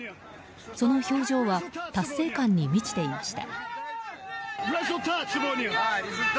その表情は達成感に満ちていました。